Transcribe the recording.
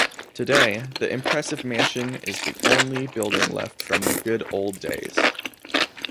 Today the impressive mansion is the only building left from "the good old days".